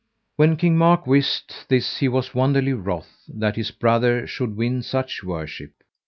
When King Mark wist this he was wonderly wroth that his brother should win such worship.